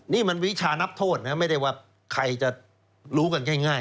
นี่มันวิชานับโทษนะไม่ได้ว่าใครจะรู้กันง่าย